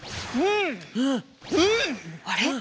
あれ？